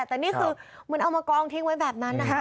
แต่นี่คือเหมือนเอามากองทิ้งไว้แบบนั้นนะคะ